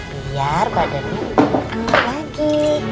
biar badannya amat lagi